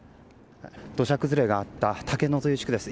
土砂崩れがあった竹野地区です。